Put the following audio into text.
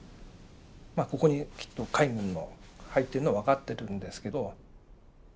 ここにきっと海軍の入ってるのは分かってるんですけど。